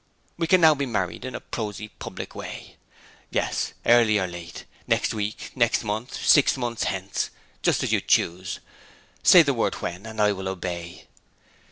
We can now be married in a prosy public way. Yes, early or late next week, next month, six months hence just as you choose. Say the word when, and I will obey.'